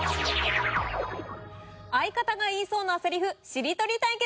「相方が言いそうなセリフしりとり対決」